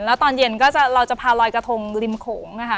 แล้วตอนเย็นก็เราจะพาลอยกระทงริมโขงนะคะ